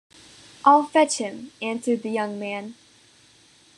“I’ll fetch him,” answered the young man.